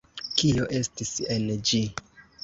Kio estis en ĝi?